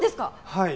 はい。